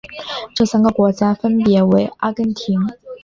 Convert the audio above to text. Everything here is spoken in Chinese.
这三个国家分别为阿根廷。